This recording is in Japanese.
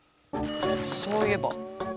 そういえば。